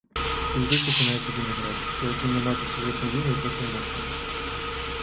І вось тут пачынаецца вінегрэт, у якім намацаць сюжэтную лінію проста немагчыма.